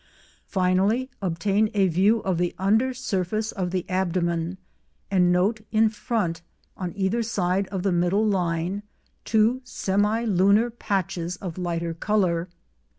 Finally, obtain a view of the under surface of the abdomen, and note in front, on either side of the middle line, two semilunar patches of a lighter colour.